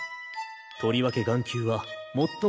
とりわけ眼球はこっちだ！